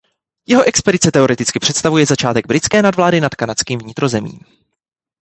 Jeho expedice teoreticky představuje začátek britské nadvlády nad kanadským vnitrozemím.